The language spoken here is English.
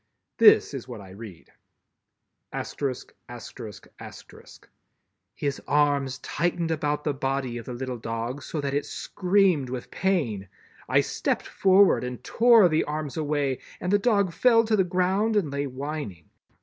This is what I read: "His arms tightened about the body of the little dog so that it screamed with pain. I stepped forward and tore the arms away, and the dog fell to the ground and lay whining.